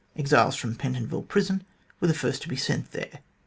Exiles from Pentonville Prison were first to be sent there.